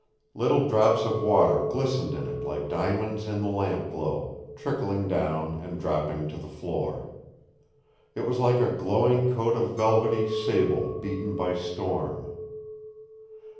Little drops of water glistened in it like diamonds in the lamp glow, trickling down and dropping to the floor. It was like a glowing coat of velvety sable beaten by storm.